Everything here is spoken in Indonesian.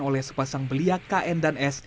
oleh sepasang belia kn dan s